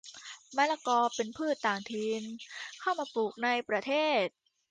มะละกอ เป็นพืชต่างถิ่น เข้ามาปลูกในประเทศ